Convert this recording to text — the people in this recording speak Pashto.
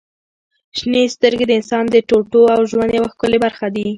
• شنې سترګې د انسان د ټوټو او ژوند یوه ښکلي برخه دي.